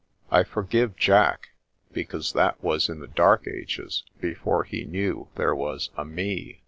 I for give Jack, because that was in the dark ages, before he knew there was a Me.